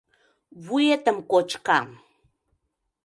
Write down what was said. — Вуетым кочкам!